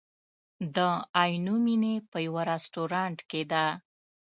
د عینومېنې په یوه رستورانت کې ده.